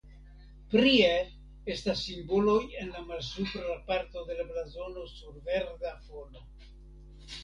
Prie estas simboloj en la malsupra parto de la blazono sur verda fono.